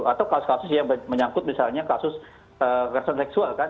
atau kasus kasus yang menyangkut misalnya kasus kekerasan seksual kan